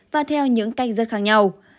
và theo những cách rất khác nhau